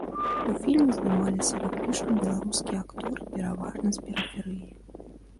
У фільме здымаліся выключна беларускія акторы, пераважна з перыферыі.